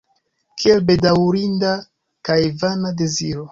Kiel bedaŭrinda kaj vana deziro!